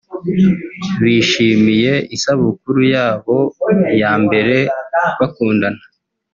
bishimiye isabukuru yabo ya mbere bakundana